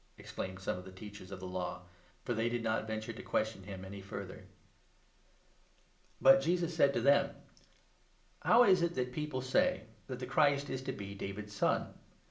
" exclaimed some of the Teachers of 39 the Law, for they did not venture to question him any 40 further. Christ ^ut Jesus said to them : 41 the son of " How is it that people say that the Christ is David. t0 be David's son